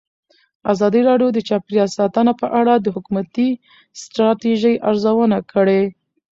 ازادي راډیو د چاپیریال ساتنه په اړه د حکومتي ستراتیژۍ ارزونه کړې.